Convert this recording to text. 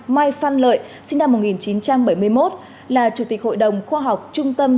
mai phan lợi sinh năm một nghìn chín trăm bảy mươi một là chủ tịch hội đồng khoa học trung tâm